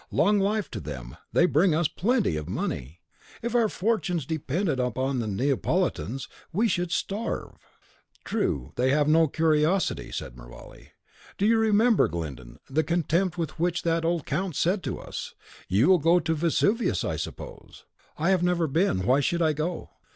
Long life to them, they bring us plenty of money! If our fortunes depended on the Neapolitans, we should starve." "True, they have no curiosity," said Mervale. "Do you remember, Glyndon, the contempt with which that old count said to us, 'You will go to Vesuvius, I suppose? I have never been; why should I go?